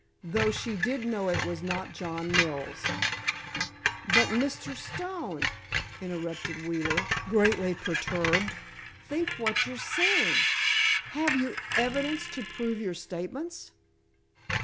Though she did know it was not John Mills." "But—Mr. Stone——" interrupted Wheeler, greatly perturbed, "think what you're saying! Have you evidence to prove your statements?"